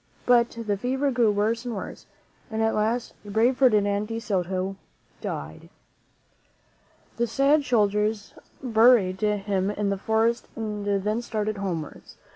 But the fever grew worse and worse, and at last the brave Ferdinand de Soto died. The sad soldiers buried him in the forest and then started homewards.